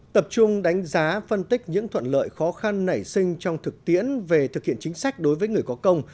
tập trung đánh giá phân tích những thuận lợi khó khăn nảy sinh trong thực tiễn về thực hiện chính sách đối với người có công